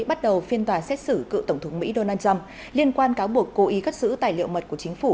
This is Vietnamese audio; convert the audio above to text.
bắt đầu phiên tòa xét xử cựu tổng thống mỹ donald trump liên quan cáo buộc cố ý cất giữ tài liệu mật của chính phủ